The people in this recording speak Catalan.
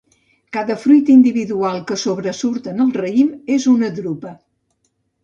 Cada fruit individual que sobresurt en el raïm és una drupa.